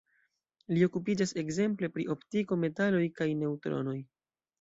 Li okupiĝas ekzemple pri optiko, metaloj kaj neŭtronoj.